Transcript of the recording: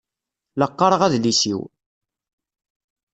La qqaṛeɣ adlis-iw.